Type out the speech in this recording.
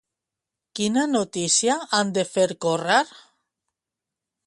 Quina notícia han de fer córrer?